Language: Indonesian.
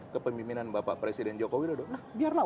kepemimpinan bapak presiden joko widodo nah biarlah